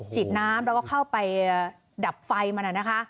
ฉีดน้ำแล้วก็เข้าไปดับไฟมันนะคะ